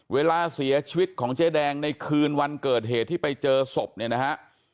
เวลาเสียชีวิตของเจ๊แดงในคืนวันเกิดเหตุที่ไปเจอศพเนี่ยนะฮะ